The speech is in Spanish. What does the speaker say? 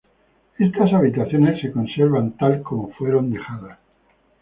Estas habitaciones se conservan tal como fueron dejadas.